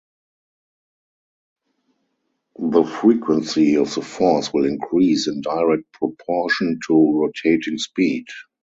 The frequency of the force will increase in direct proportion to rotating speed.